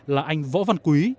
là anh võ văn quý